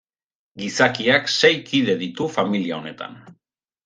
Gizakiak sei kide ditu familia honetan.